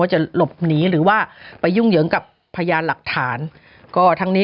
จะหลบหนีหรือว่าไปยุ่งเหยิงกับพยานหลักฐานก็ทั้งนี้